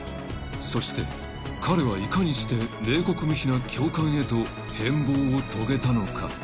［そして彼はいかにして冷酷無比な教官へと変貌を遂げたのか？］